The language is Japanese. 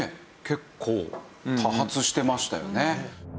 結構多発してましたよね。